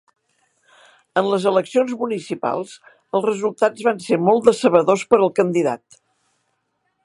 En les eleccions municipals els resultats van ser molt decebedors per al candidat.